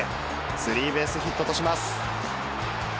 スリーベースヒットとします。